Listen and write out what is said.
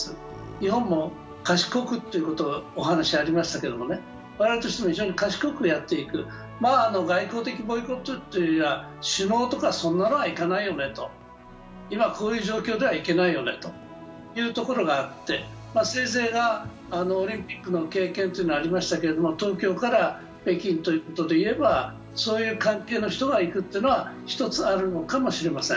日本も賢くというお話がありましたけれども、我々としても非常に賢くやっていく、外交的ボイコットというのは、首脳とかそんなのは行かないよねと、今こういう状況では行けないよねというところがあって、オリンピックの経験ということがありましたけれども、東京から北京ということでいえば、そういう関係の人が行くというのは１つあるのかもしれません。